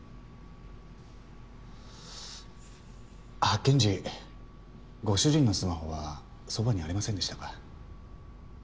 発見時ご主人のスマホはそばにありませんでしたか？